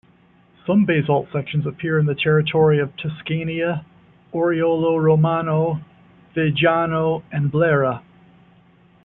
Some basalt sections appear in the territory of Tuscania, Oriolo Romano, Vejano and Blera.